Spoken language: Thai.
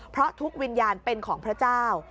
เพราะทุกวิญญาณเป็นของพระเจ้า